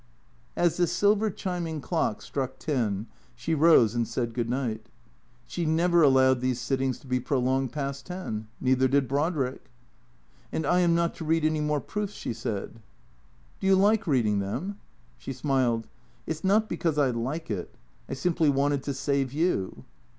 As the silver chiming clock struck ten she rose and said good night. She never allowed these sittings to be prolonged past ten. Neither did Brodrick. " And I am not to read any more proofs ?" she said. " Do you like reading them ?" She smiled. " It 's not because I like it. I simply wanted to save you."